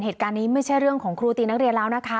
เหตุการณ์นี้ไม่ใช่เรื่องของครูตีนักเรียนแล้วนะคะ